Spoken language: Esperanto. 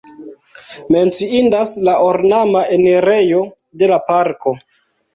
Menciindas la ornama enirejo de la parko.